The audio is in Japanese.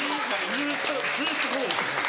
ずっとずっとこうです。